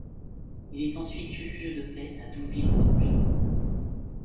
Il est ensuite juge de paix à Douville-en-Auge.